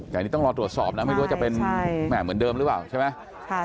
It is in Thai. แต่ต้องรอตรวจสอบนะไม่รู้จะเป็นแหม่มเหมือนเดิมหรือเปล่า